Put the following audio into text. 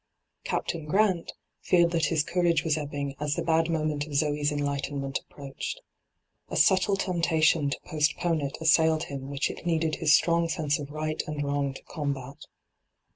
Captain Grant feared that his courage was ebbing as the bad moment of Zoe's enlightenment approached. A subtle tempta tion to postpone it assailed him which it needed his strong sense of right and wrong to combat.